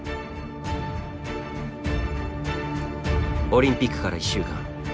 オリンピックから１週間。